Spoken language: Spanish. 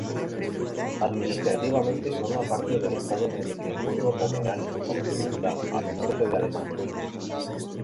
Administrativamente forma parte del estado de Mecklemburgo-Pomerania Occidental al norte de Alemania.